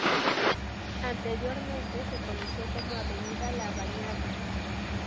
Anteriormente se conoció como "Avenida Larrañaga".